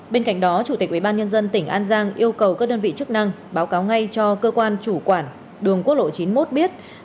bên cạnh đó chủ tịch ubnd tỉnh an giang yêu cầu các đơn vị chức năng báo cáo ngay cho cơ quan chủ quản đường quốc lộ chín mươi một biết